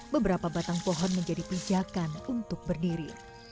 beberapa batang pohon menjadi pijakan untuk berdiri